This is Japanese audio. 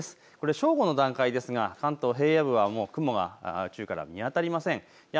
正午の段階ですが関東平野部はもう雲が梅雨から見当たりません。